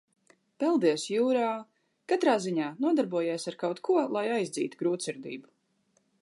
Peldies jūrā, katrā ziņā nodarbojies ar kaut ko, lai aizdzītu grūtsirdību.